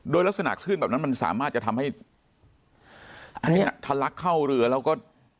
โดยลักษณะคลื่นแบบนั้นมันสามารถจะทำให้อันนี้ทะลักเข้าเรือแล้วก็